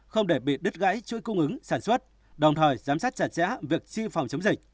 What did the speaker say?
không để bị đứt gãy chuỗi cung ứng sản xuất đồng thời giám sát chặt chẽ việc chi phòng chống dịch